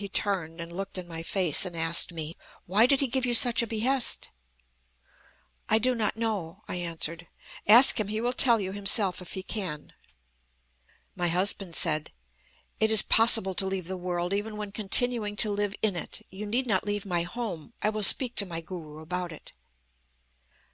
He turned, and looked in my face, and asked me: 'Why did he give you such a behest?' "'I do not know,' I answered. 'Ask him! He will tell you himself, if he can.' "My husband said: 'It is possible to leave the world, even when continuing to live in it. You need not leave my home. I will speak to my Guru about it.'